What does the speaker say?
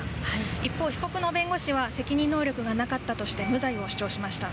一方、被告の弁護士は責任能力がなかったとして無罪を主張しました。